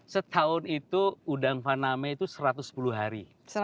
setahun itu udang faname itu satu ratus sepuluh hari